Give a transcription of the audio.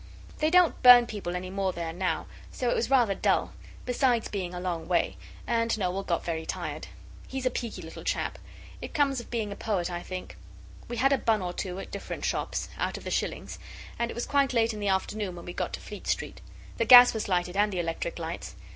They don't burn people any more there now, so it was rather dull, besides being a long way, and Noel got very tired. He's a peaky little chap; it comes of being a poet, I think. We had a bun or two at different shops out of the shillings and it was quite late in the afternoon when we got to Fleet Street. The gas was lighted and the electric lights.